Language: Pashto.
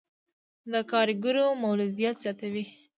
د کارګرو مولدیت زیاتوي.